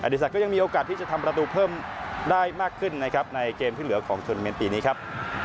สักก็ยังมีโอกาสที่จะทำประตูเพิ่มได้มากขึ้นนะครับในเกมที่เหลือของทุนเมนต์ปีนี้ครับ